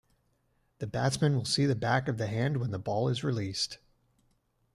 The batsman will see the back of the hand when the ball is released.